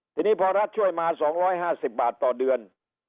ทีนี้พอรัฐช่วยมา๒๕๐บาทต่อเดือน